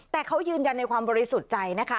แต่เขายืนยันในความบริสุทธิ์ใจนะคะ